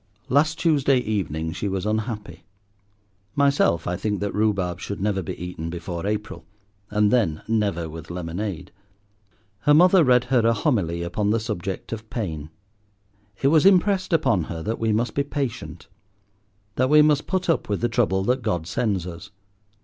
Last Tuesday evening she was unhappy. Myself, I think that rhubarb should never be eaten before April, and then never with lemonade. Her mother read her a homily upon the subject of pain. It was impressed upon her that we must be patient, that we must put up with the trouble that God sends us.